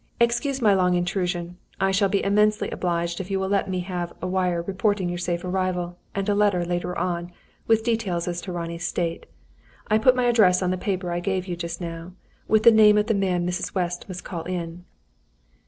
"Excuse my long intrusion. I shall be immensely obliged if you will let me have a wire reporting your safe arrival, and a letter, later on, with details as to Ronnie's state. I put my address on the paper I gave you just now, with the name of the man Mrs. West must call in."